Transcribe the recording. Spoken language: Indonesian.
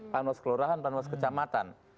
panwas kelurahan panwas kecamatan